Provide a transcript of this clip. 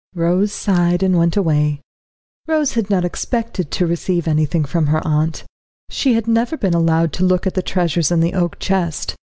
Rose sighed, and went away. Rose had not expected to receive anything from her aunt. She had never been allowed to look at the treasures in the oak chest.